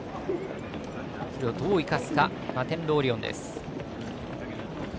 それをどう生かすかマテンロウオリオンです。